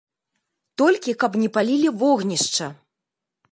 Толькі каб не палілі вогнішча!